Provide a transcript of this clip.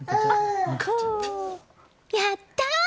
やったー！